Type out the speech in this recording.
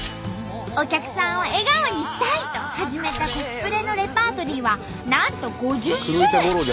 お客さんを笑顔にしたいと始めたコスプレのレパートリーはなんと５０種類！